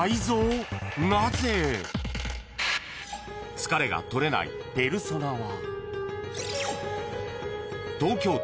［疲れが取れないペルソナは］